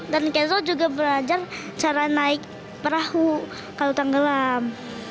dan kemudian juga belajar cara naik perahu kalau tanggelam